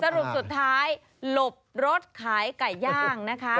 สรุปสุดท้ายหลบรถขายไก่ย่างนะคะ